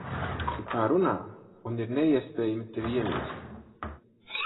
Tu tā runā, un ir neiespējami tevi ienīst.